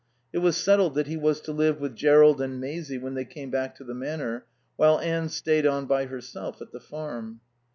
It was settled that he was to live with Jerrold and Maisie when they came back to the Manor, while Anne stayed on by herself at the Farm.